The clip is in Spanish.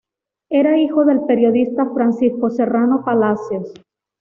Era hijo del periodista Francisco Serrano Palacios.